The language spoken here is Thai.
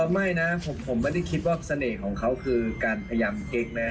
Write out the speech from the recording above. ไม่นะผมไม่ได้คิดว่าเสน่ห์ของเขาคือการพยายามเค้กนะ